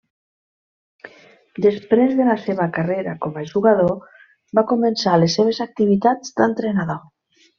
Després de la seva carrera com a jugador va començar les seves activitats d'entrenador.